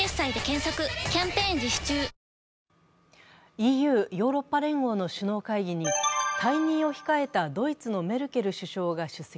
ＥＵ＝ヨーロッパ連合の首脳会議に退任を控えたドイツのメルケル首相が出席。